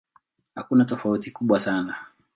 Hakuna tofauti kubwa sana.